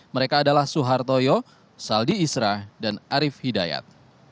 mereka adalah suhartoyo saldi isra dan arief hidayat